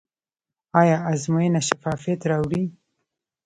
آیا ازموینه شفافیت راوړي؟